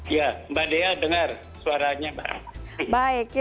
ya mbak dia dengar suaranya